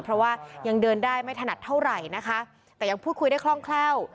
เพราะว่ายังเดินได้ไม่ถนัดเท่าไหร่นะคะแต่ยังพูดคุยได้คล่องแคล่ว